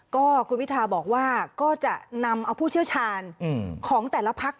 ก็คุณพิทาบอกว่าก็จะนำเอาผู้เชี่ยวชาญของแต่ละพัก